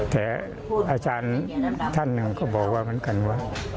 แต่อาจารย์ท่านหนึ่งก็บอกว่าเหมือนกันว่า